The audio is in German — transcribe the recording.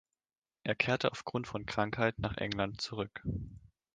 Er kehrte aufgrund von Krankheit nach England zurück.